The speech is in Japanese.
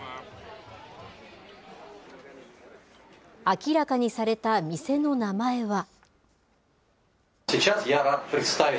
明らかにされた店の名前は。